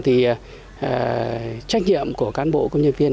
trách nhiệm của cán bộ công nhân viên